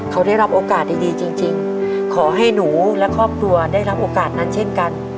เขาได้รับโอกาสดีจริงขอให้หนูและครอบครัวได้รับโอกาสนั้นเช่นกัน